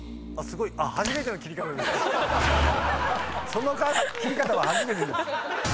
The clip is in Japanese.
その切り方は初めてです。